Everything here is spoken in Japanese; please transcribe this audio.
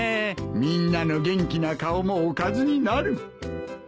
みんなの元気な顔もおかずになる！